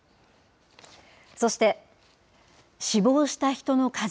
そして、死亡した人の数。